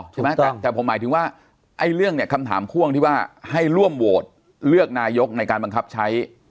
ใช่ไหมแต่ผมหมายถึงว่าไอ้เรื่องเนี่ยคำถามพ่วงที่ว่าให้ร่วมโหวตเลือกนายกในการบังคับใช้